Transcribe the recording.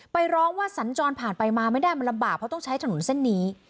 ไปร้องว่าสัญจรผ่านไปมาไม่ได้มันลำบากเพราะต้องใช้ถนนเส้นนี้